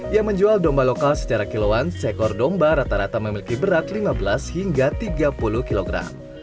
yang menjual domba lokal secara kiloan seekor domba rata rata memiliki berat lima belas hingga tiga puluh kg